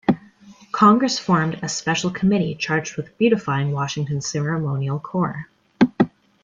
Congress formed a special committee charged with beautifying Washington's ceremonial core.